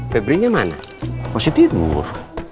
pebri nya mana masih tidur